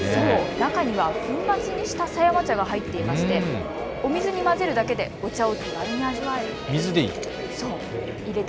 中には粉末にした狭山茶が入っていましてお水に混ぜるだけでお茶を手軽に味わえるんです。